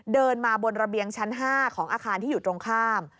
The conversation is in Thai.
เดินมาบนระเบียงชั้น๕ของอาคารที่อยู่ตรงข้าม